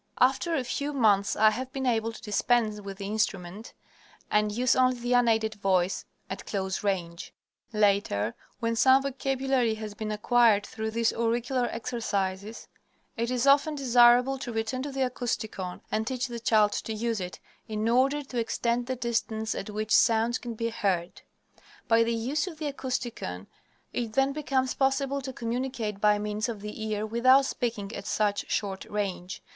After a few months I have been able to dispense with the instrument and use only the unaided voice at close range. Later, when some vocabulary has been acquired through these auricular exercises, it is often desirable to return to the Acousticon and teach the child to use it, in order to extend the distance at which sounds can be heard. By the use of the Acousticon, it then becomes possible to communicate by means of the ear without speaking at such short range.